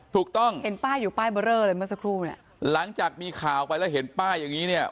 ถูกต้องเห็นป้าอยู่ป้ายเบอร์เลอร์เลยเมื่อสักครู่เนี่ยหลังจากมีข่าวไปแล้วเห็นป้าอย่างงี้เนี่ย